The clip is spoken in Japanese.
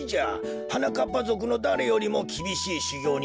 はなかっぱぞくのだれよりもきびしいしゅぎょうにたえたぞ。